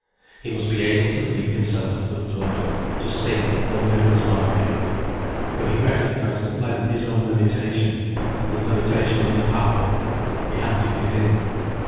He must be able to leave himself to the flood, to sink or live as might be. For he recognized at length his own limitation, and the limitation of his power. He had to give in.